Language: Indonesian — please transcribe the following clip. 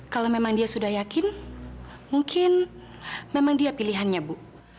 kalau memang dia sudah yakin mungkin memang dia pilihannya bu